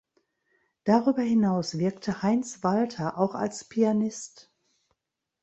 Darüber hinaus wirkte Heinz Walter auch als Pianist.